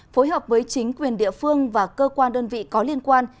phối hợp với chính quyền địa phương và cơ quan đơn vị có liên quan